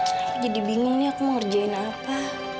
saya jadi bingung nih aku mau ngerjain apa